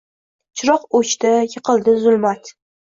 Chiroq o‘chdi. Yiqildi zulmat